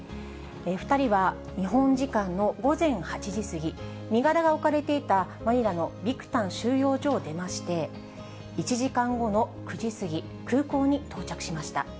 ２人は日本時間の午前８時過ぎ、身柄が置かれていたマニラのビクタン収容所を出まして、１時間後の９時過ぎ、空港に到着しました。